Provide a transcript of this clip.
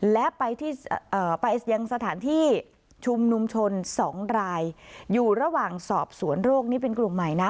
และไปที่ไปยังสถานที่ชุมนุมชน๒รายอยู่ระหว่างสอบสวนโรคนี่เป็นกลุ่มใหม่นะ